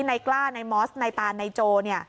ในกล้าในมอสในตานในโจ